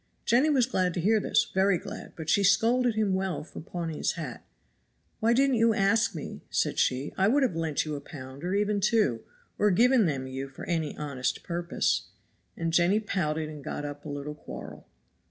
Jenny was glad to hear this, very glad, but she scolded him well for pawning his hat. "Why didn't you ask me?" said she; "I would have lent you a pound or even two, or given them you for any honest purpose." And Jenny pouted and got up a little quarrel.